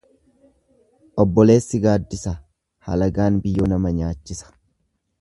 Obboleessi gaaddisa, halagaan biyyoo nama nyaachisa.